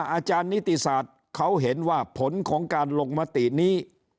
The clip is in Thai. อาจารย์นิติศาสตร์เขาเห็นว่าผลของการลงมตินี้